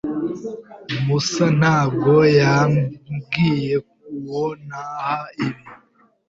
Musa ntabwo yambwiye uwo naha ibi.